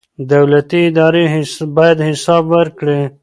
دولتي ادارې باید حساب ورکړي.